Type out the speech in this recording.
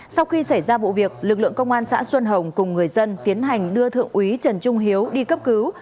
sau khi xảy ra vụ việc lực lượng công an xã xuân hồng cùng người dân tiến hành đưa thượng úy trần trung hiếu đi cấp cứu